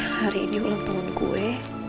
hari ini ulang tahun kue